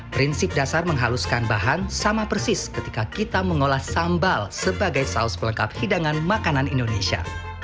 prinsip dasar menghaluskan bahan sama persis ketika kita mengolah sambal sebagai saus pelengkap hidangan makanan indonesia